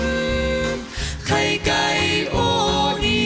เมนูไข่เมนูไข่อร่อยแท้อยากกิน